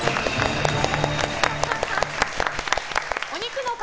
お肉の塊